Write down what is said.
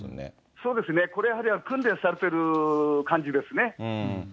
そうですね、これやはり、訓練されている感じですね。